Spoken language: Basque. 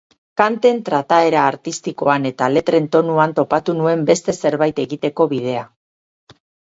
Kanten trataera artistikoan eta letren tonuan topatu nuen beste zerbait egiteko bidea.